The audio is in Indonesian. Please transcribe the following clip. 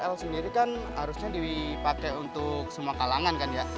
l sendiri kan harusnya dipakai untuk semua kalangan kan ya